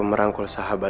melarang dari maksa